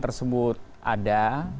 tapi kemudian formulasinya seperti apa sekarang